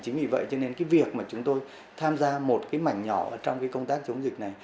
chính vì vậy cho nên cái việc mà chúng tôi tham gia một cái mảng nhỏ trong cái công tác chống dịch này